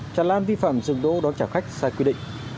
tràn lan vi phạm dừng đỗ đón trả khách sai quy định